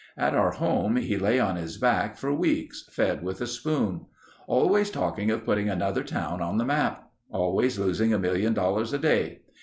At our home he lay on his back for weeks, fed with a spoon. Always talking of putting another town on the map. Always losing a million dollars a day.